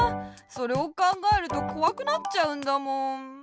それをかんがえるとこわくなっちゃうんだもん。